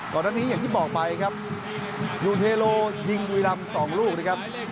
ก่อนนั้นอย่างที่บอกไปยูเทโรยิงดุยรัมสองลูก